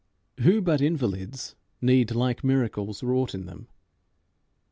Who but invalids need like miracles wrought in them?